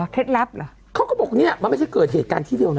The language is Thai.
ลับเหรอเขาก็บอกเนี่ยมันไม่ใช่เกิดเหตุการณ์ที่เดียวนะ